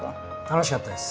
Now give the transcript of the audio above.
楽しかったです。